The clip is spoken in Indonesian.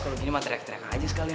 kalau gini mah terreak teriak aja sekali